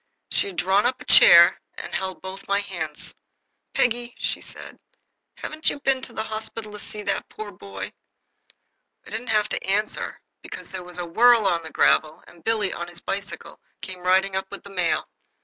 She had drawn up a chair, and she held both my hands. "Peggy," said she, "haven't you been to the hospital to see that poor dear boy?" I didn't have to answer, for there was a whirl on the gravel, and Billy, on his bicycle, came riding up with the mail.